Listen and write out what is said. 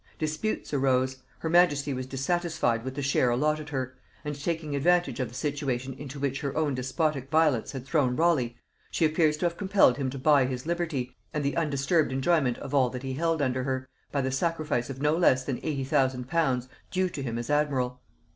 Disputes arose; her majesty was dissatisfied with the share allotted her; and taking advantage of the situation into which her own despotic violence had thrown Raleigh, she appears to have compelled him to buy his liberty, and the undisturbed enjoyment of all that he held under her, by the sacrifice of no less than eighty thousand pounds due to him as admiral.